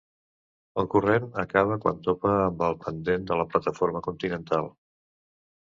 El corrent acaba quan topa amb el pendent de la plataforma continental.